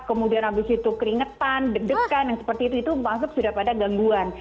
kemudian abis itu keringetan deg degan yang seperti itu itu masuk sudah pada gangguan